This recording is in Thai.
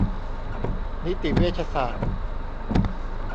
นิติเวชศาสตร์